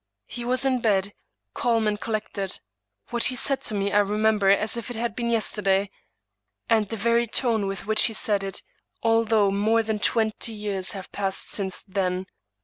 He was in bed, calm and collected. What he said to me I remember as if it had been yesterday, and the very tone with which he said it, although more than twenty years have passed since then.